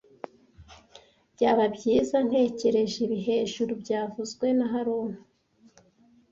Byaba byiza ntekereje ibi hejuru byavuzwe na haruna